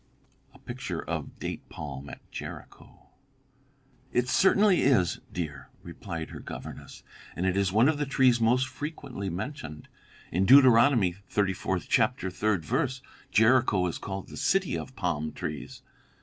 [Illustration: DATE PALM AT JERICHO.] "It certainly is, dear," replied her governess, "and it is one of the trees most frequently mentioned. In Deuteronomy, thirty fourth chapter, third verse, Jericho is called the 'city of palm trees.'